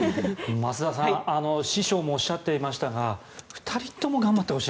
増田さん師匠もおっしゃっていましたが２人とも頑張ってほしい。